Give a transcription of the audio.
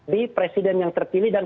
di presiden yang terpilih dan